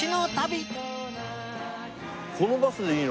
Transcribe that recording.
このバスでいいの？